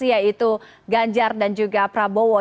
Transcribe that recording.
yaitu ganjar dan juga prabowo